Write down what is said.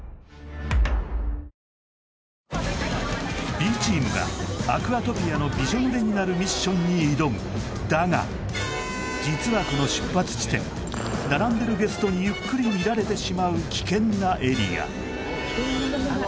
Ｂチームがアクアトピアのびしょ濡れになるミッションに挑むだが実はこの出発地点並んでるゲストにゆっくり見られてしまうヤバい